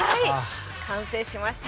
完成しました。